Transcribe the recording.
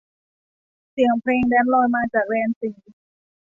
เสียงเพลงแดนซ์ลอยมาจากแดนสี่